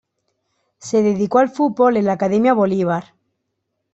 Se dedicó al fútbol en la academia Bolívar.